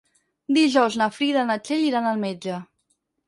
Dijous na Frida i na Txell iran al metge.